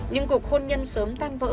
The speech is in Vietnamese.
nhưng cuộc hôn nhân sớm tan vỡ